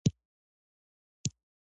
عیدګاه ته د تللو پر وخت